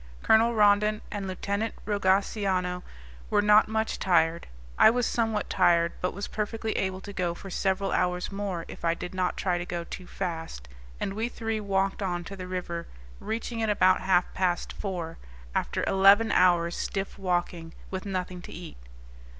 Colonel Rondon and Lieutenant Rogaciano were not much tired; I was somewhat tired, but was perfectly able to go for several hours more if I did not try to go too fast; and we three walked on to the river, reaching it about half past four, after eleven hours' stiff walking with nothing to eat.